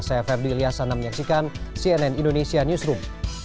saya ferdie ilyasana menyaksikan cnn indonesia newsroom